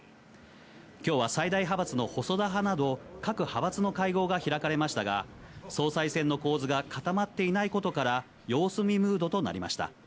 きょうは最大派閥の細田派など、各派閥の会合が開かれましたが、総裁選の構図が固まっていないことから、様子見ムードとなりました。